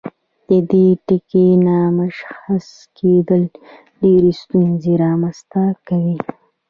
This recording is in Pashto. د دې ټکي نامشخص کیدل ډیرې ستونزې رامنځته کوي.